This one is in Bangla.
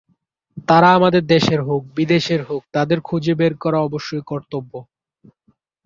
তারা আমাদের দেশের হোক, বিদেশের হোক, তাদের খুঁজে বের করা অবশ্যই কর্তব্য।